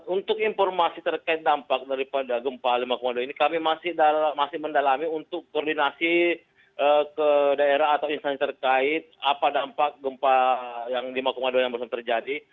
untuk informasi terkait dampak daripada gempa lima dua ini kami masih mendalami untuk koordinasi ke daerah atau instansi terkait apa dampak gempa yang lima dua yang baru terjadi